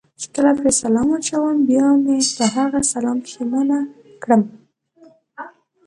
چې کله پرې سلام واچوم بیا مې په هغه سلام پښېمانه کړم.